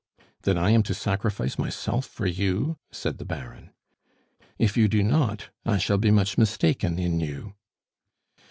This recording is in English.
"Then I am to sacrifice myself for you?" said the Baron. "If you do not, I shall be much mistaken in you."